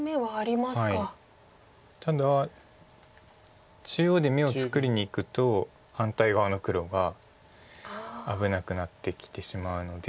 ただ中央で眼を作りにいくと反対側の黒が危なくなってきてしまうので。